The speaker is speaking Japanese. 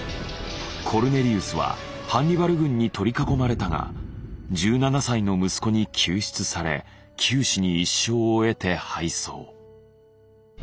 コルネリウスはハンニバル軍に取り囲まれたが１７歳の息子に救出され九死に一生を得て敗走。